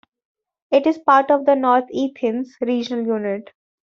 It is part of the North Athens regional unit.